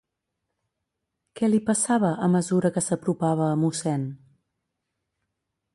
Què li passava a mesura que s'apropava a Mossèn?